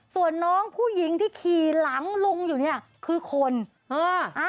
ส่วนน้องผู้หญิงที่ขี่หลังลุงอยู่เนี่ยคือคนเออ